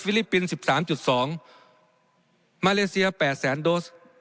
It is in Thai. ฟิลิปปินส์สิบสามจุดสองมาเลเซียแปดแสนโดส